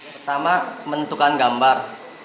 pertama menentukan gambar